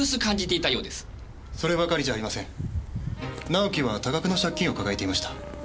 直樹は多額の借金を抱えていました。